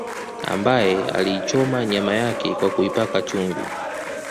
Ambaye aliichoma nyama yake kwa kuipaka chumvi